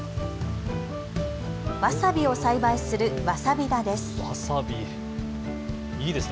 わさびを栽培するわさび田です。